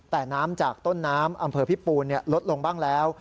แต่น้ำจากต้นน้ำอำเภอพิปูนลดลงบ้างแล้ว